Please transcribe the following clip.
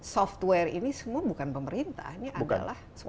software ini semua bukan pemerintah